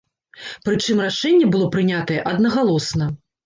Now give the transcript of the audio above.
Прычым рашэнне было прынятае аднагалосна.